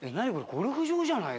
ゴルフ場じゃない？